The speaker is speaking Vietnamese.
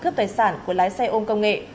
cướp tài sản của lái xe ôm công nghệ